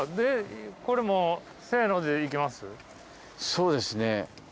そうですね。